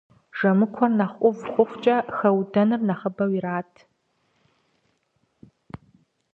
Жэмыкуэр нэхъ ӏув хъухукӏэ хэудэныр нэхъыбэу ират.